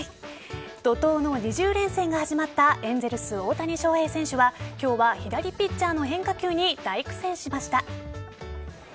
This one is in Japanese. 怒涛の２０連戦が始まったエンゼルス・大谷翔平選手は今日は左ピッチャーの変化球に大苦戦しました。